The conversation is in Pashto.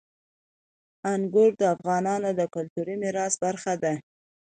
انګور د افغانستان د کلتوري میراث برخه ده.